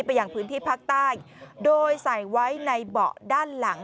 อย่างพื้นที่ภาคใต้โดยใส่ไว้ในเบาะด้านหลัง